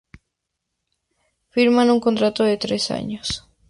Firma un contrato de tres años.